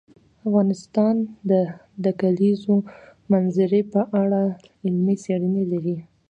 افغانستان د د کلیزو منظره په اړه علمي څېړنې لري.